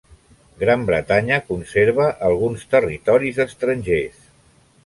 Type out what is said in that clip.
Gran Bretanya conserva alguns territoris estrangers.